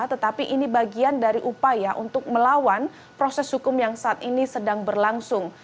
tetapi ini bagian dari upaya untuk melawan proses hukum yang saat ini sedang berlangsung